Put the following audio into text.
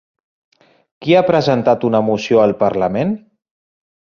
Qui ha presentat una moció al Parlament?